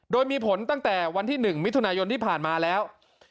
โดยมีผลตั้งแต่วันที่๑มิถุนายนที่ผ่านมาแล้ว